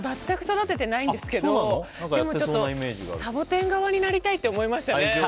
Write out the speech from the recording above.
全く育ててないんですけどでも、サボテン側になりたいって思いましたね。